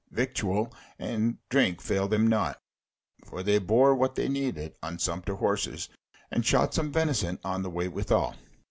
Victual and drink failed them not, for they bore what they needed on sumpter horses, and shot some venison on the way withal.